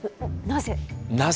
なぜ？